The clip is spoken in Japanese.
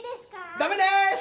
ダメです！